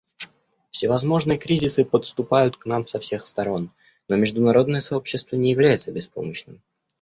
Всевозможные кризисы подступают к нам со всех сторон, но международное сообщество не является беспомощным.